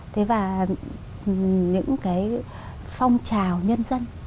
thế và những cái phong trào nhân dân